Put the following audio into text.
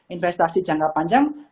investasi jangka panjang